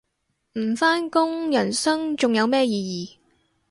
唔返工人生仲有咩意義